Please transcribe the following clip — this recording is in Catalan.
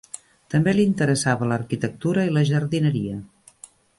També li interessava l'arquitectura i la jardineria.